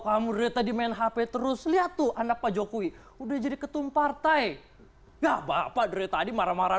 kamu rita di main hp terus lihat tuh anak pak jokowi udah jadi ketum partai nggak papa dari tadi marah marah